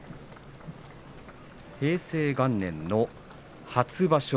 平成元年の初場所。